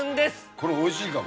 これおいしいかも。